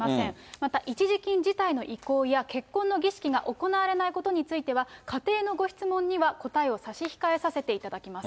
また一時金辞退の意向や結婚の儀式が行われないことについては、仮定のご質問には答えを差し控えさせていただきます。